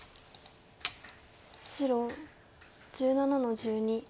白１７の十二。